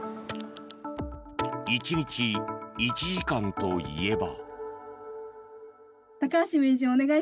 １日１時間といえば。